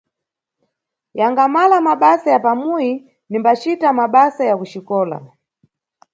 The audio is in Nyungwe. Yangamala mabasa ya pamuyi, nimbacita mabasa ya kuxikola